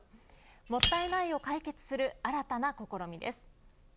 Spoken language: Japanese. もったいないを解決する新たな試みです。